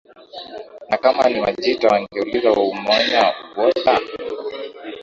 Na kama ni Wajita wangeuliza oumenya obhwato